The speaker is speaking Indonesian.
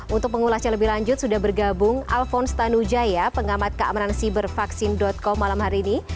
untuk pengulasnya lebih lanjut sudah bergabung alphonse tanujaya pengamat keamanan sibervaksin com malam hari ini